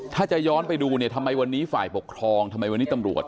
ถ้าจะย้อนไปดูเนี่ยทำไมวันนี้ฝ่ายปกครองทำไมวันนี้ตำรวจ